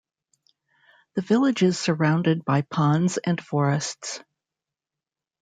The village is surrounded by ponds and forests.